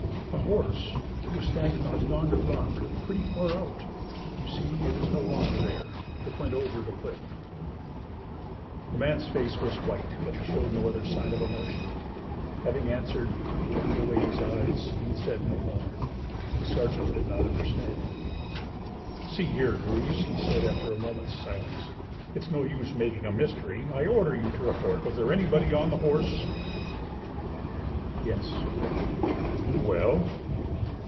"A horse. It was standing on yonder rock pretty far out. You see it is no longer there. It went over the cliff." The man's face was white, but he showed no other sign of emotion. Having answered, he turned away his eyes and said no more. The sergeant did not understand. "See here, Druse," he said, after a moment's silence, "it's no use making a mystery. I order you to report. Was there anybody on the horse?" "Yes." "Well?"